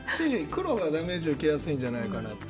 黒がダメージを受けやすいんじゃないかなって。